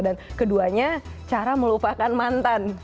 dan keduanya cara melupakan mantan